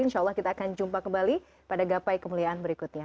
insya allah kita akan jumpa kembali pada gapai kemuliaan berikutnya